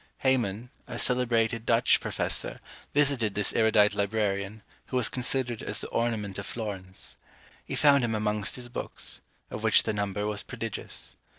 Heyman, a celebrated Dutch professor, visited this erudite librarian, who was considered as the ornament of Florence. He found him amongst his books, of which the number was prodigious.